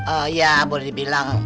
oh ya boleh dibilang